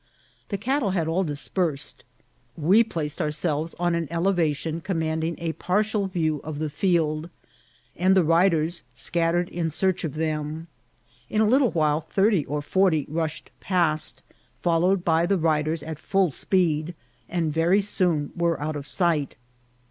The cattle had all dispersed ; we placed ourselves on an elevation commanding a partial view of the field, and the riders scattered in search of them. In a little while thirty or forty rushed past, followed by the riders at full speed, and very soon Were out of sight.